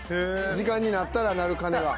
時間になったら鳴る鐘が？